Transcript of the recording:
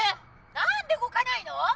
「なんで動かないの！？」